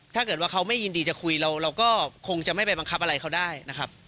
ถ้าเกิดว่าเขาไม่ยินดีจะคุยเราก็คงจะไม่ไปบังคับอะไรเขาได้นะครับ